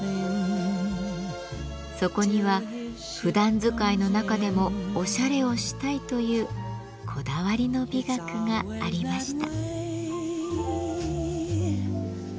そこには「ふだん使いの中でもおしゃれをしたい」というこだわりの美学がありました。